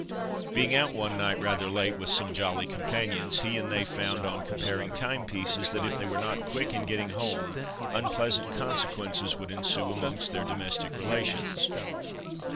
Being out one night rather late, with some "jolly companions," he and they found, on comparing timepieces, that if they were not quick in getting home unpleasant consequences would ensue amongst their domestic relations.